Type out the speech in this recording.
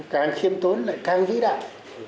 càng khiêm tốn lại càng vĩ đại